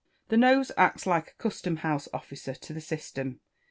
The nose acts like a custom house officer to the system.